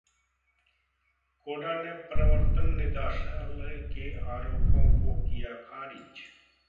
कोडा ने प्रवर्तन निदेशालय के आरोपों को किया खारिज